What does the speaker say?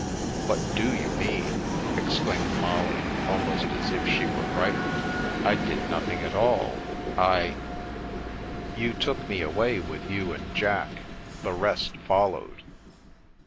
" What do you mean ?" exclaimed Molly, almost as if she were frightened. " I did nothing at all. I ''" You took me away with you and Jack. The rest followed."